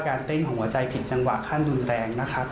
เต้นหัวใจผิดจังหวะขั้นรุนแรงนะครับ